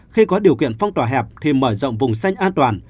khi có điều kiện phong tỏa hẹp thì mở rộng vùng xanh an toàn